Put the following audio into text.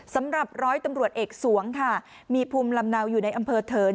สำหรับร้อยตำรวจเอกสวงค่ะมีภูมิลำเนาอยู่ในอำเภอเถิน